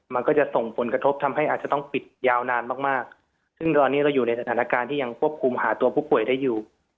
มันก็จะส่งผลกระทบทำให้อาจจะต้องปิดยาวนานมากมากซึ่งตอนนี้เราอยู่ในสถานการณ์ที่ยังควบคุมหาตัวผู้ป่วยได้อยู่